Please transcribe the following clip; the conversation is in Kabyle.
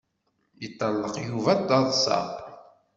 Yeṭṭeṛḍeq Yuba d taḍsa.